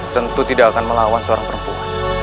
tentu tidak akan melawan seorang perempuan